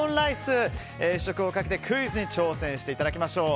試食をかけて、クイズに挑戦していただきましょう。